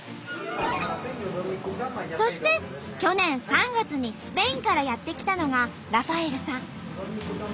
そして去年３月にスペインからやって来たのがラファエルさん。